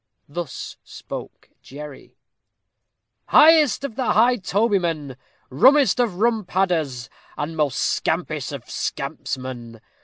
Thus spoke Jerry: "Highest of High Tobymen! rummest of rum Padders, and most scampish of Scampsmen!